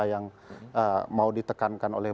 yang mau ditekankan oleh